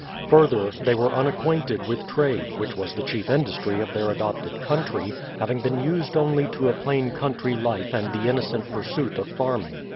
Further, they were unacquainted with trade, which was the chief industry of their adopted country, having been used only to a plain country life and the innocent pursuit of farming.